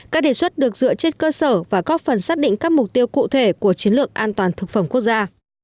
các đề xuất được dựa trên cơ sở và góp phần xác định các mục tiêu cụ thể của chiến lược an toàn thực phẩm quốc gia